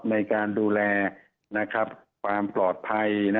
ในการดูแลความปลอดภัย